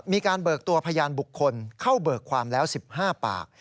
เบิกตัวพยานบุคคลเข้าเบิกความแล้ว๑๕ปาก